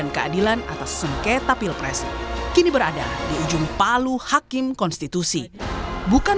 jika hal ini masuk ke cousins makanya ada masa liburan